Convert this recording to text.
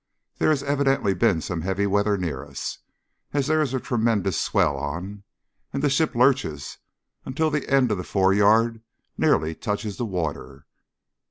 There has evidently been some heavy weather near us, as there is a tremendous swell on, and the ship lurches until the end of the fore yard nearly touches the water.